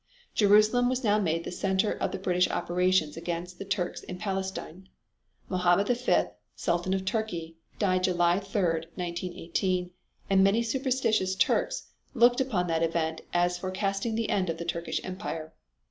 Jerusalem was now made the center of the British operations against the Turks in Palestine. Mohammed V, the Sultan of Turkey, died July 3, 1918, and many superstitious Turks looked upon that event as forecasting the end of the Turkish Empire.